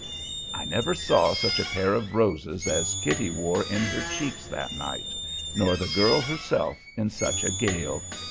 I never saw such a pair of roses as Kitty wore in her cheeks that night, nor the girl herself in such a gale.